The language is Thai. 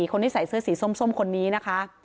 คนที่ใส่เสื้อสีส้มคนนี้นะคะ